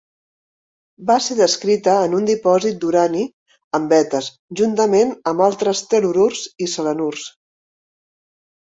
Va ser descrita en un dipòsit d'urani en vetes juntament amb altres tel·lururs i selenurs.